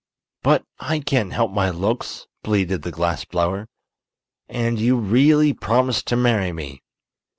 "But I can't help my looks!" pleaded the glass blower; "and you really promised to marry me."